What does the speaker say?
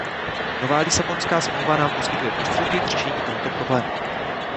Nová Lisabonská smlouva nám poskytuje prostředky k řešení tohoto problému.